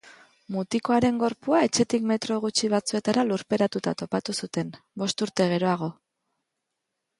Mutikoaren gorpua etxetik metro gutxi batzuetara lurperatuta topatu zuten, bost urte geroago.